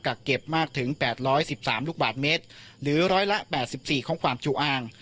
เก็บมากถึง๘๑๓ลูกบาทเมตรหรือร้อยละ๘๔ของความจุอ่าง